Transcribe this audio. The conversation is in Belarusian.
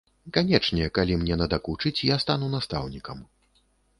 Канечне, калі мне надакучыць, я стану настаўнікам.